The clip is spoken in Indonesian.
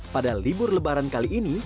pada libur lebaran kali ini